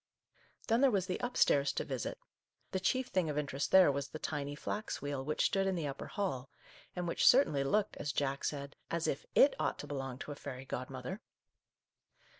Then there was the up stairs to visit. The chief thing of interest there was the tiny flax wheel which stood in the upper hall, and which certainly looked, as Jack said, as if it ought to belong to a fairy godmother.